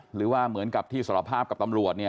หรือว่าเหมือนกับที่สารภาพกับตำรวจ